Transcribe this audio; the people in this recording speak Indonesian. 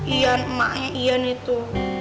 ian emaknya ian itu